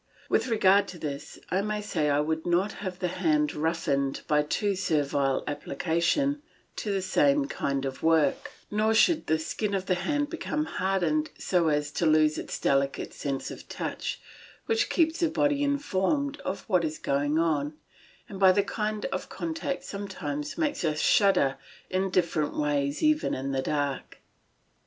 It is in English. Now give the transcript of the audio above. With regard to this I may say I would not have the hand roughened by too servile application to the same kind of work, nor should the skin of the hand become hardened so as to lose its delicate sense of touch which keeps the body informed of what is going on, and by the kind of contact sometimes makes us shudder in different ways even in the dark.